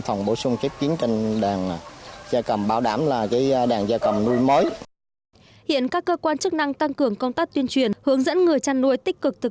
hiện các cơ quan chức năng tăng cường công tác tuyên truyền hướng dẫn người chăn nuôi tích cực thực